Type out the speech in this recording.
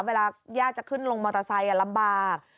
เวลาย่าจะขึ้นลงมอเตอร์ไซค์ลำบาก